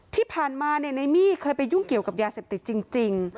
ที่ผ่านมาในมี่เคยไปยุ่งเกี่ยวกับยาเสพติดจริง